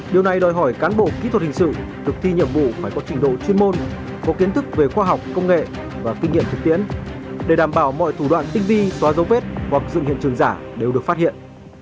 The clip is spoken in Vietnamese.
điều này đòi hỏi cán bộ kỹ thuật hình sự thực thi nhiệm vụ phải có trình độ chuyên môn có kiến thức về khoa học công nghệ và kinh nghiệm thực tiễn để đảm bảo mọi thủ đoạn tinh vi xóa dấu vết hoặc dựng hiện trường giả đều được phát hiện